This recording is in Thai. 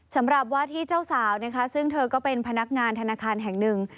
สำหรับว่าที่เจ้าสาวนะคะซึ่งเธอก็เป็นพนักงานธนาคารแห่งหนึ่ง